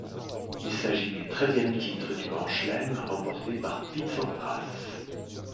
Il s'agit du treizième titre du Grand Chelem remporté par Pete Sampras.